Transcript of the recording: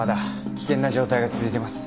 危険な状態が続いています。